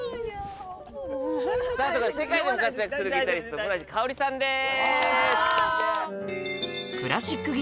世界でも活躍するギタリスト村治佳織さんです。